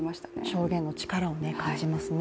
証言の力を感じますね。